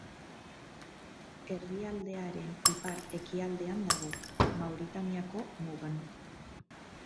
Herrialdearen ipar-ekialdean dago, Mauritaniako mugan.